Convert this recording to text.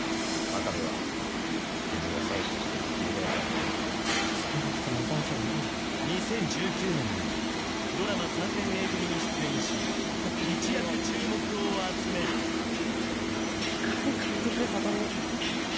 真壁は自分が選手として復帰できなくなった時にきっとそんなこと望んじゃいないよ２０１９年にはドラマ「３年Ａ組」に出演し一躍注目を集める力に変えてくれ里見